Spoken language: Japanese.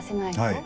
はい。